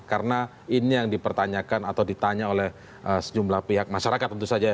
karena ini yang dipertanyakan atau ditanya oleh sejumlah pihak masyarakat tentu saja